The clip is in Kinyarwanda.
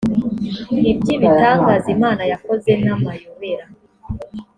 iby ibitangaza imana yakoze namayobera